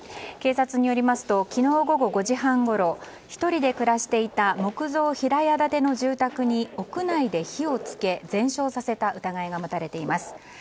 警察によりますと昨日午後５時半ごろ１人で暮らしていた木造平屋建ての住宅に屋内で火を付け全焼させた疑いが持たれています。